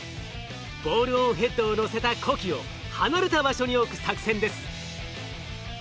ボールオンヘッドをのせた子機を離れた場所に置く作戦です。